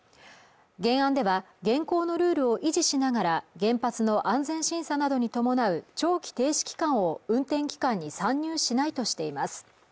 原案では現行のルールを維持しながら原発の安全審査などに伴う長期停止期間を運転期間に算入しないとしています